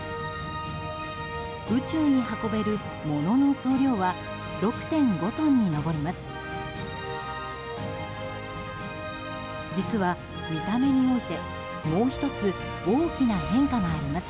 宇宙に運べる物の総量は６．５トンに上ります。